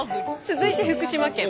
続いて福島県。